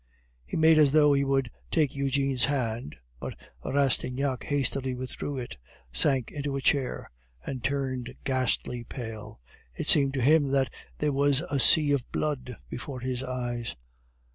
He made as though he would take Eugene's hand, but Rastignac hastily withdrew it, sank into a chair, and turned ghastly pale; it seemed to him that there was a sea of blood before his eyes.